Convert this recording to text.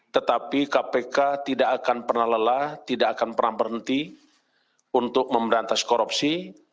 tetapi kpk tidak akan pernah lelah tidak akan pernah berhenti untuk memberantas korupsi